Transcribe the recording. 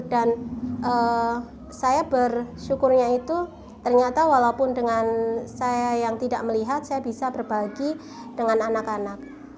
dan saya bersyukurnya itu ternyata walaupun dengan saya yang tidak melihat saya bisa berbagi dengan anak anak